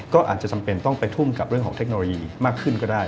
ก็อาจจะจำเป็นต้องไปทุ่มกับเรื่องของเทคโนโลยีมากขึ้นก็ได้